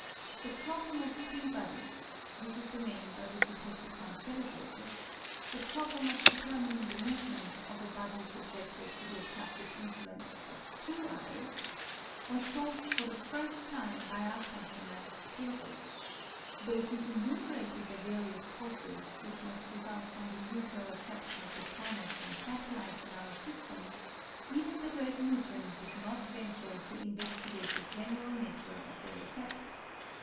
The "problem of three bodies" (this is the name by which it has become celebrated) the problem of determining the movement of a body subjected to the attractive influence of two others was solved for the first time by our countryman, Clairaut. Though he enumerated the various forces which must result from the mutual action of the planets and satellites of our system, even the great Newton did not venture to investigate the general nature of their effects.